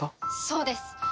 そうです！